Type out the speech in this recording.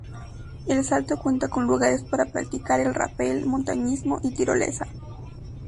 El Salto cuenta con lugares para practicar el rappel, montañismo y tirolesa